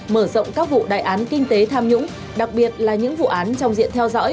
mở rộng các vụ đại án kinh tế tham nhũng đặc biệt là những vụ án trong diện theo dõi